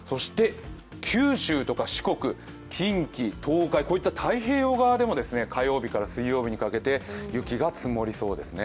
九州とか四国、近畿、東海、こういった太平洋側でも火曜日から水曜日にかけて雪が積もりそうですね。